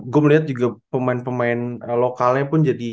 gue melihat juga pemain pemain lokalnya pun jadi